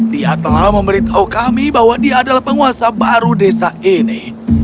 dia telah memberitahu kami bahwa dia adalah penguasa baru desa ini